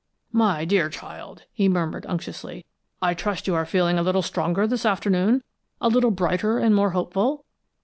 "My dear child!" he murmured, unctuously. "I trust you are feeling a little stronger this afternoon a little brighter and more hopeful?"